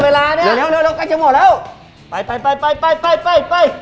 เวลาเนี้ยเร็วเร็วใกล้จะหมดแล้วไปไปไปไปไปไปไปไป